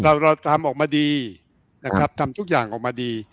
เราเราทำออกมาดีนะครับทำทุกอย่างออกมาดี